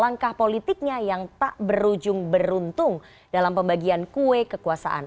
langkah politiknya yang tak berujung beruntung dalam pembagian kue kekuasaan